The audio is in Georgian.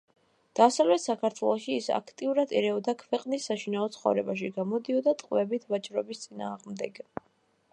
დასავლეთ საქართველოში ის აქტიურად ერეოდა ქვეყნის საშინაო ცხოვრებაში, გამოდიოდა ტყვეებით ვაჭრობის წინააღმდეგ.